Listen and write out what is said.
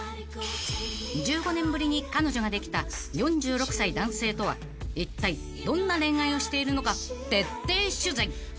［１５年ぶりに彼女ができた４６歳男性とはいったいどんな恋愛をしているのか徹底取材！］